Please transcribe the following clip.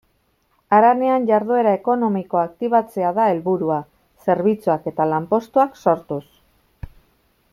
Haranean jarduera ekonomikoa aktibatzea da helburua, zerbitzuak eta lanpostuak sortuz.